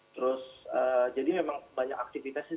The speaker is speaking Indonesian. terus jadi memang banyak aktivitas di studio